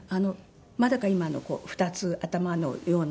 だから今の２つ頭のような。